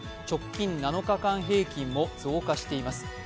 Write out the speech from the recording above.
直近７日間平均も増加しています。